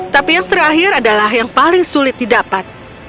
tapi yang terakhir adalah yang paling sulit didapat